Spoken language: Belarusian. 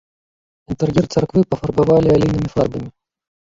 Інтэр'ер царквы пафарбавалі алейнымі фарбамі.